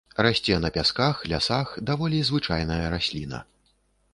Расце на пясках, лясах, даволі звычайная расліна.